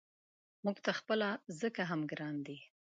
موږ ته خپله ځکه هم ګران دی.